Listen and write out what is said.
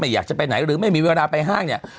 อยากจะไปไหนหรือไม่มีเวลาไปห้างเนี่ย